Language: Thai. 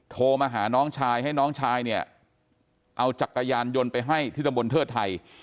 โทรมาหาน้องชายให้น้องชายเนี่ยเอาจักรยานยนต์ไปให้ที่ตำบลเทิดไทย